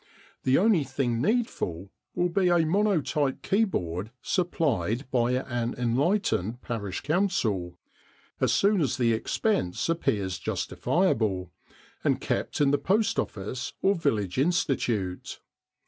The only thing needful will be a monotype keyboard supplied by an enlightened Parish Council as soon as the expense appears justifiable and kept in the Post Office or Village Institute.